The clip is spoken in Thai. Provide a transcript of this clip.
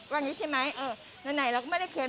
วันนี้ใช่ไหมเลยน่าไหล